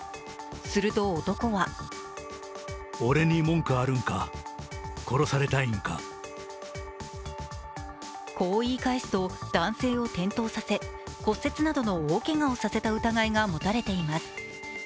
すると男はこう言い返すと、男性を転倒させ骨折などの大けがをさせた疑いが持たれています。